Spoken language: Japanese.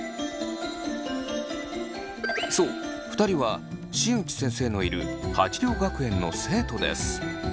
そう２人は新内先生のいる鉢涼学園の生徒です。